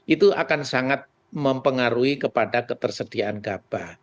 itu akan sangat mempengaruhi kepada ketersediaan gabah